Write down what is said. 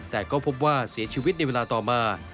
แต่ก็พบว่าเสียชีวิตในเวลาต่อมา